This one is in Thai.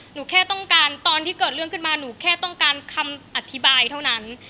หนูแค่ต้องการตอนที่เกิดเรื่องขึ้นมาหนูแค่ต้องการคำอธิบายเท่านั้น